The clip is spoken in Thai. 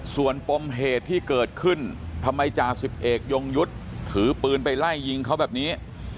ส่วนปมเหตุที่เกิดขึ้นทำไมจ่าสิบเอกยงยุทธ์ถือปืนไปไล่ยิงเขาแบบนี้